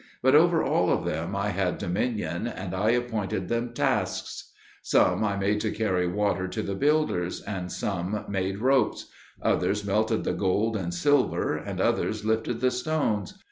But over all of them I had dominion, and I appointed them tasks. Some I made to carry water to the builders, and some made ropes; others melted the gold and silver, and others lifted the stones.